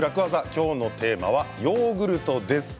今日のテーマはヨーグルトです。